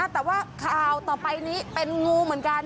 แต่ว่าข่าวต่อไปนี้เป็นงูเหมือนกัน